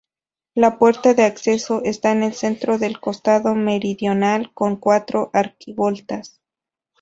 La puerta de acceso está en el centro del costado meridional, con cuatro arquivoltas.